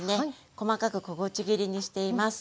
細かく小口切りにしています。